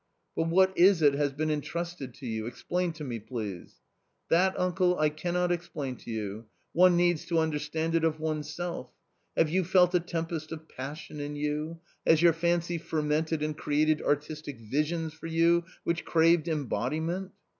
" But what is it has been entrusted to you, explain to me, please." " That, uncle, I cannot explain to you. One needs to understand it of oneself. Have you felt a tempest of passion in you ; has your fancy fermented and created artistic visions for you which craved embodiment